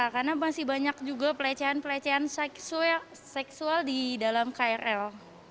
karena masih banyak juga pelecehan pelecehan seksual di dalam krl